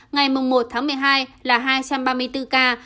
ngày một tháng một mươi hai là hai trăm ba mươi bốn ca